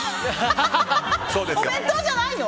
お弁当じゃないの？